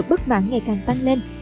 và sự bất mãn ngày càng tăng lên